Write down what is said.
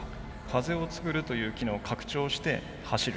風を作るという機能を拡張して走る。